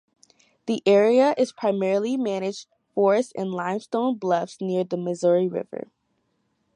The area is primarily managed forest and limestone bluffs near the Missouri River.